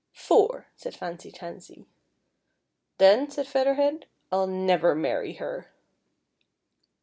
" Four," said Fancy Tansy. " Then," said Feather Head, " I'll never marry her."